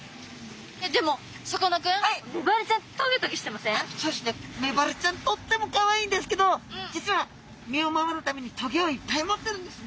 でもさかなクンメバルちゃんメバルちゃんとってもかわいいんですけど実は身を守るためにトゲをいっぱい持ってるんですね。